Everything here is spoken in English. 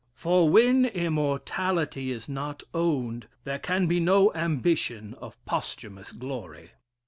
For when immortality is not owned, there can be no ambition of posthumous glory.